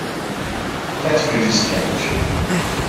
That's pretty strange.